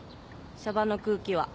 シャバの空気は。